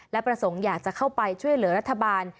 และประสงค์อยากจะเข้าไปช่วยเหลือรัฐบาล